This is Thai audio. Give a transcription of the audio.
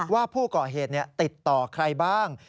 ว่าผู้ก่อเหตุติดต่อใครบ้าง